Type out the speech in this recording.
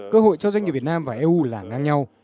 cơ hội cho doanh nghiệp việt nam và eu là ngang nhau